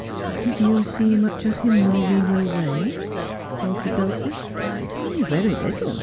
'Did you see much of him while we were away'i' faltered Dulcie. ' Very little.